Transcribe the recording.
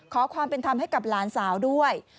ขอความเป็นธรรมให้กับหลานสาวด้วย